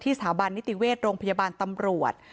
สถาบันนิติเวชโรงพยาบาลตำรวจ